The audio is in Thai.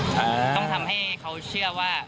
ต้องทำให้เขาเชื่อว่า